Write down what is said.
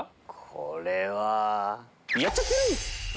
これはやっちゃってる！